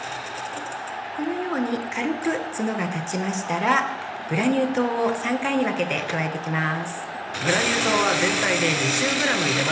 このように軽くツノが立ちましたらグラニュー糖を３回に分けて加えていきます。